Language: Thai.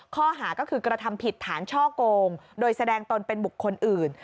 ข้อหาก็คือกระทำผิดฐานช่อโกงโดยแสดงตนเป็นบุคคลอื่น